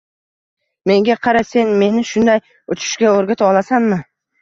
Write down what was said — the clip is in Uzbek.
— Menga qara, sen meni shunday uchishga o‘rgata olasanmi?